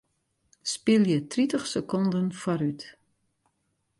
Spylje tritich sekonden foarút.